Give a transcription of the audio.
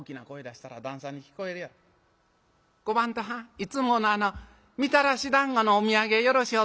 いつものあのみたらしだんごのお土産よろしゅう